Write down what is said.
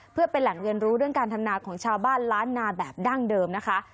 เพื่อเป็นแหล่งเรียนรู้เรื่องการทำนาของชาวบ้านล้านนาแบบดั้งเดิมนะคะ